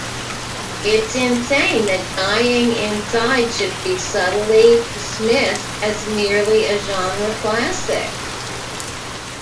It's insane that 'Dying Inside' should be subtly dismissed as merely a genre classic.